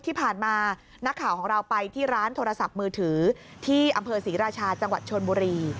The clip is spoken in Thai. ที่ผ่านมานักข่าวของเราไปที่ร้านโทรศัพท์มือถือที่อำเภอศรีราชาจังหวัดชนบุรี